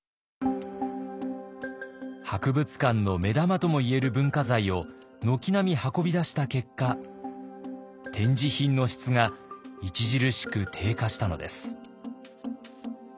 博物館の目玉とも言える文化財を軒並み運び出した結果展示品の質が著しく低下したのです。